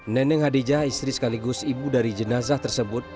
neneng hadijah istri sekaligus ibu dari jenazah tersebut